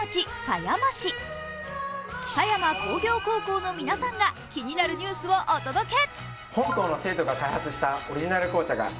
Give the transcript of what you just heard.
狭山工業高校の皆さんが気になるニュースをお届け。